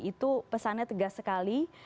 itu pesannya tegas sekali